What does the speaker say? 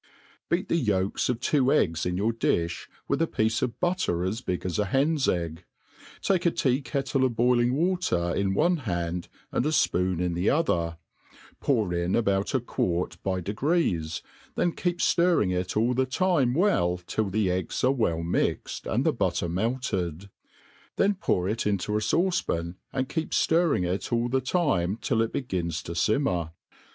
* BEAT the yolks of two eggs in your di(h, with a piece of butter as big. as a heh's egg ; take a tea kettle of boiling water in one hand, and a fpoon in the other, pour in about a qusrrc by degrees, then keep ftirring it all the time well till the egg^ are well mixed, and the butter melted; then pour it into a fauce pan, and keep ftirring it all the time till it begins to dimmer.